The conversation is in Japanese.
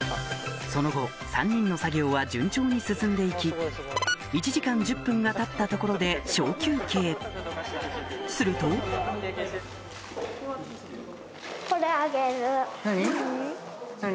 その後３人の作業は順調に進んで行き１時間１０分がたったところで小休憩すると何？